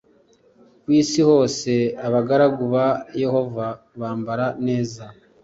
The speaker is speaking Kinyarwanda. ku isi hose abagaragu ba yehova bambara neza